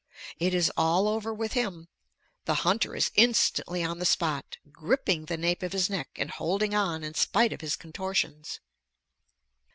It is all over with him; the hunter is instantly on the spot, gripping the nape of his neck and holding on in spite of his contortions.